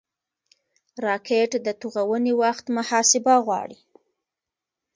راکټ د توغونې وخت محاسبه غواړي